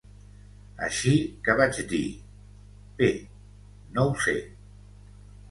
Així que vaig dir: "Bé, no ho sé".